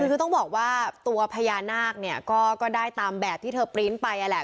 คือต้องบอกว่าตัวพญานาคเนี่ยก็ได้ตามแบบที่เธอปริ้นต์ไปนั่นแหละ